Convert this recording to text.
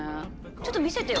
ちょっと見せてよ。